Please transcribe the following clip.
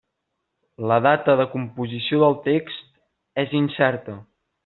La data de composició del text és incerta.